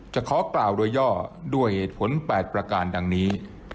ขอกล่าวโดยย่อด้วยเหตุผล๘ประการดังนี้